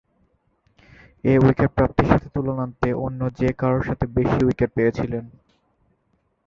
এ wicket প্রাপ্তির সাথে তুলনান্তে অন্য যে-কারোর সাথে বেশি উইকেট পেয়েছিলেন।